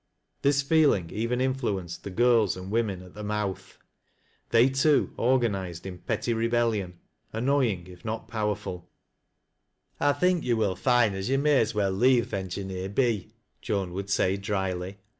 This feeling even influenced the girls and women at the " mouth." They, too, organized in petty rebellion, annoying if not powerful, •' I think yo' will find as yo' may as well leave th' engineer be," Joan would say dryly.